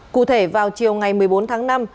cụ thể vào chiều ngày một mươi bốn tháng năm